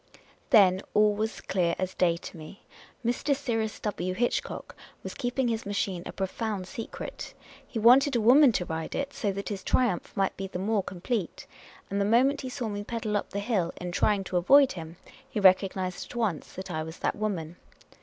Then all was clear as day to me. Mr. Cyrus W. Hitch cock was keeping his machine a profound secret ; he wanted a woman to ride it, so that his triumph might be the more com plete ; and the moment he saw me pedal up the hill, in trying to avoid him, he recognised at once that I was that woman.